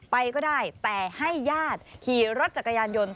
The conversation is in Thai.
ไปก็ได้แต่ให้ญาติขี่รถจักรยานยนต์